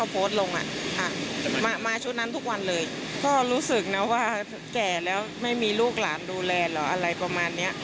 ผมก็รู้สึกนะว่าแก่แล้วไม่มีลูกหลานดูแลหรอกอะไรประมาณนี้